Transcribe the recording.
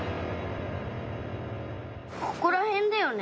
ここらへんだよね。